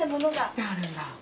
切ってあるんだ。